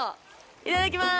いただきます